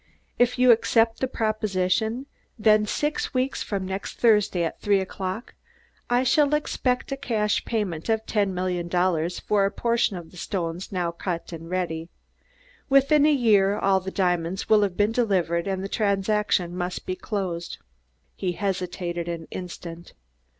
"If you accept the proposition, then six weeks from next Thursday at three o'clock I shall expect a cash payment of ten million dollars for a portion of the stones now cut and ready; within a year all the diamonds will have been delivered and the transaction must be closed." He hesitated an instant.